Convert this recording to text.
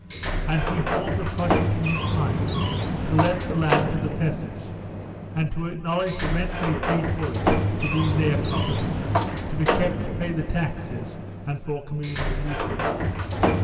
And he formed a project in his mind to let the land to the peasants, and to acknowledge the rent they paid for it to be their property, to be kept to pay the taxes and for communal uses.